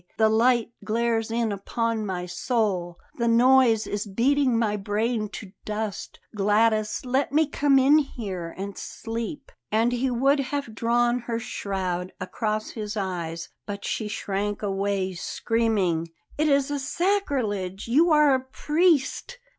The light glares in upon my soul; the noise is beating my brain to dust. Gladys, let me come in here and sleep!" And he would have drawn her shroud across his eyes. But she shrank away, screaming: "It is sacrilege; you are a priest!"